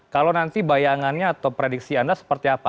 kalau nanti bayangannya atau prediksi anda seperti apa